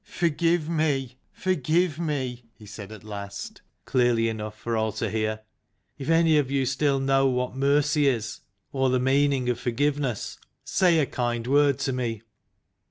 " Forgive me forgive me," he said at last, clearly enough for all to hear. " If any of you still know what OUTSIDE 29 mercy is, or the meaning of forgiveness, say a kind word to me.